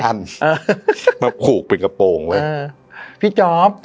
สองอันมาขูกเป็นกระโปรงเว้ย